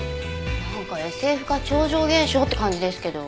なんかＳＦか超常現象って感じですけど。